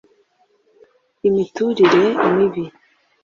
imiturire mibi